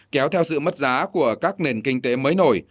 kéo theo sự mất giá của các nền kinh tế mới nổi